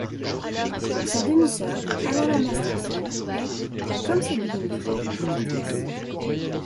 Sa demi-sœur, Alanna Masterson, est, comme ses deux demi-frères, actrice.